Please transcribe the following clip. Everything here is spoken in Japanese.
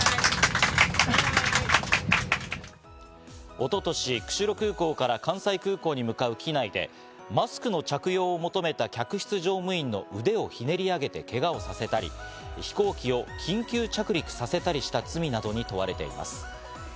一昨年、釧路空港から関西空港に向かう機内で、マスクの着用を求めた客室乗務員の腕をひねり上げてけがをさせたり、飛行機を緊急着陸させたりした罪などに問われています。